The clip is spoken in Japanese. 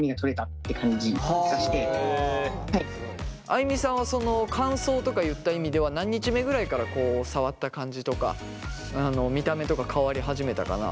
あいみさんはその乾燥とかいった意味では何日目ぐらいから触った感じとか見た目とか変わり始めたかな？